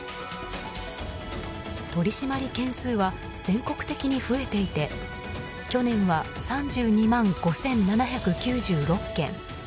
取り締まり件数は全国的に増えていて去年は３２万５７９６件。